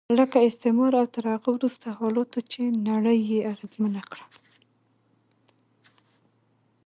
لکه استعمار او تر هغه وروسته حالاتو چې نړۍ یې اغېزمنه کړه.